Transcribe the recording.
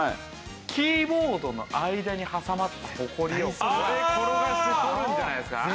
キーボードの間に挟まったホコリをこれ転がして取るんじゃないですか？